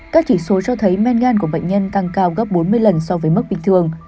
các chỉ số cho thấy men gan của bệnh nhân tăng cao gấp bốn mươi lần so với mức bình thường